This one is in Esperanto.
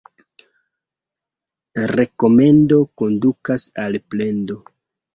Rekomendo kondukas al plendo.